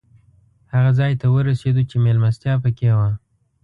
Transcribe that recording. هغه ځای ته ورسېدو چې مېلمستیا پکې وه.